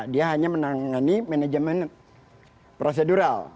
dia hanya menangani manajemen prosedural